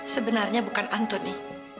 sebenarnya bukan antoni